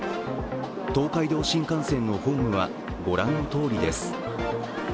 東海道新幹線のホームはご覧のとおりです。